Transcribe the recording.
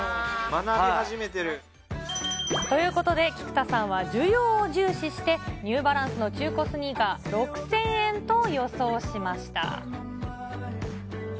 学び始めてる。ということで、菊田さんは需要を重視して、ニューバランスの中古スニーカー、６０００円と予想しました。